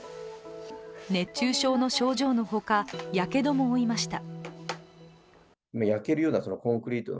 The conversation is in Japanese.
熱中症の症状の他やけども負いました。